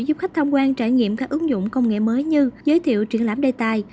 giúp khách tham quan trải nghiệm các ứng dụng công nghệ mới như giới thiệu triển lãm đề tài